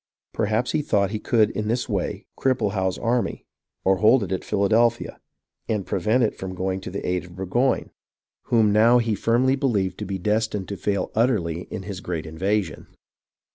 Perhaps he thought he could in this way cripple Howe's army, or hold it at Philadelphia and prevent it from going to the aid of Burgoyne, whom now he firmly believed to be destined to fail utterly in his great invasion.